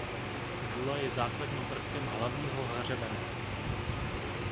Žula je základním prvkem hlavního hřebene.